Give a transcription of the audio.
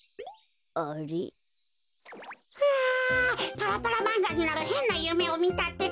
パラパラまんがになるへんなゆめをみたってか。